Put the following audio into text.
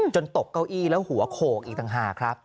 ตกเก้าอี้แล้วหัวโขกอีกต่างหากครับ